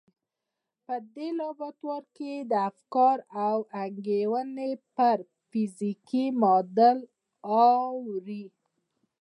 په دې لابراتوار کې افکار او انګېرنې پر فزيکي معادل اوړي.